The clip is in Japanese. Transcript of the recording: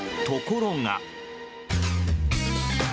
ところが。